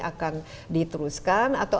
akan diteruskan atau